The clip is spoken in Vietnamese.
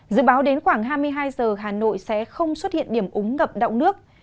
dự báo đến khoảng hai mươi hai h hà nội sẽ không xuất hiện điểm úng ngập đậu nước